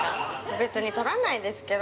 別に取らないですけど。